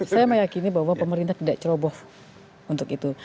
saya meyakini bahwa pemerintah tidak ceroboh untuk itu